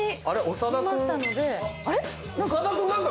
長田君！